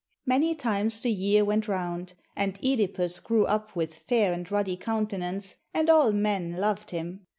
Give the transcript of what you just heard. Many times the year went round, and (Edipus grew up with fair and ruddy countenance, and all men loved him.